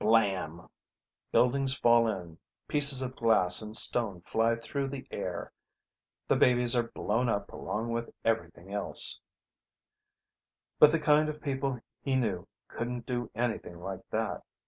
Blam! Buildings fall in, pieces of glass and stone fly through the air. The babies are blown up along with everything else But the kind of people he knew couldn't do anything like that.